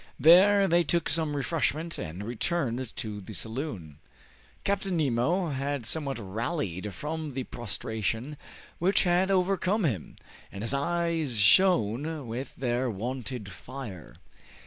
There they took some refreshment and returned to the saloon. Captain Nemo had somewhat rallied from the prostration which had overcome him, and his eyes shone with their wonted fire.